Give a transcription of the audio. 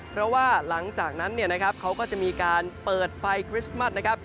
เพราะว่าหลังจากนั้นเนี่ยนะครับเขาก็จะมีการเปิดไฟคริสต์มัสนะครับ